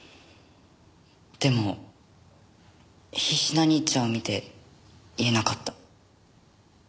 でも必死な兄ちゃんを見て言えなかった。